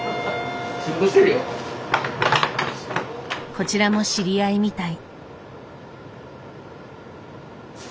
こちらも知り合いみたい。